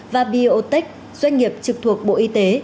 và biotech doanh nghiệp trực thuộc bộ y tế